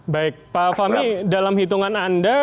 baik pak fahmi dalam hitungan anda